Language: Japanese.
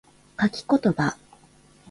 書き言葉